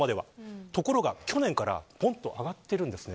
ところが去年からぽんと上がっているんです。